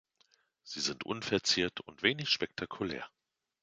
Sie sind unverziert und wenig spektakulär.